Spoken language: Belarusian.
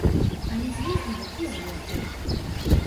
Але з'ездзілі і з'ездзілі.